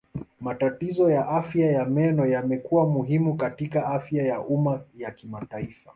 Matatizo ya afya ya meno yamekuwa muhimu katika afya ya umma ya kimataifa.